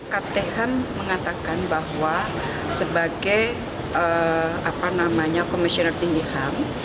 kt ham mengatakan bahwa sebagai komisioner tinggi ham